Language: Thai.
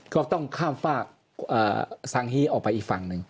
ก็ต้องข้ามฝากสังฮีออกไปอีกฝั่งหนึ่ง